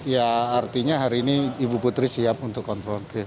ya artinya hari ini ibu putri siap untuk konfrontir